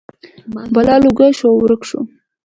بلا لوګی شو او ورک شو.